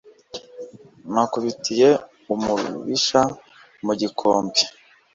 nakubitiye umubisha mu gikombe